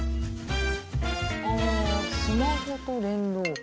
ああスマホと連動。